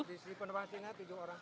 di penampungan sini ada tujuh orang